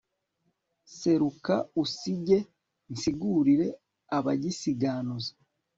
seruka usige nsigurire abagisiganuza